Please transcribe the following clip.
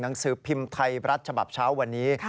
หนังสือพิมพ์ไทยรัฐฉบับเช้าวันนี้